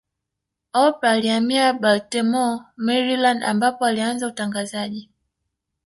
Oprah alihamia Baltimore Maryland ambapo alianza utangazaji